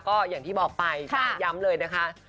ก็อย่างที่บอกไปย้ำเลยนะคะ